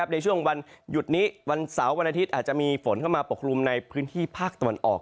ในช่วงวันหยุดนี้วันเสาร์วันอาทิตย์อาจจะมีฝนเข้ามาปกคลุมในพื้นที่ภาคตะวันออก